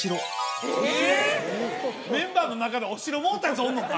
メンバーの中でお城もうたヤツおんのか？